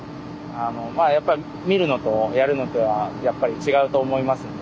まあやっぱ見るのとやるのではやっぱり違うと思いますんで。